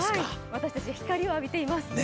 私たち、光を浴びています。